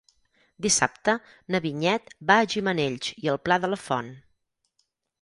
Dissabte na Vinyet va a Gimenells i el Pla de la Font.